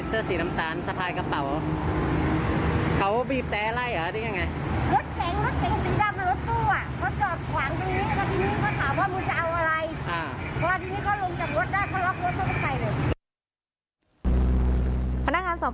อ๋อใส่เสื้อสีลำตาลสะพายกระเป๋าเขาวิฟเเตร์ไล่อ๋อที่ง่ายง่าย